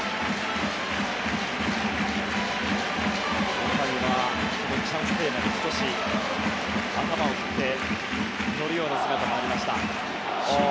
大谷がチャンステーマに頭を振って乗るような姿もありました。